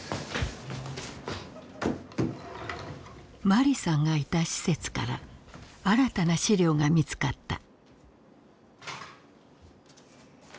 マリさんがいた施設から新たな資料が見つかった。